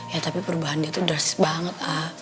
ya tapi perubahan dia tuh drastis banget